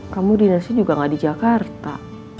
kamu di nasi juga nggak di jakarta